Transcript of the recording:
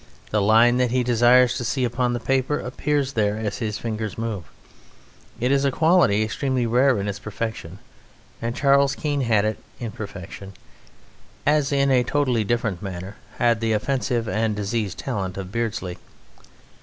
The line that he desires to see upon the paper appears there as his fingers move. It is a quality extremely rare in its perfection. And Charles Keene had it in perfection, as in totally different manner had the offensive and diseased talent of Beardsley.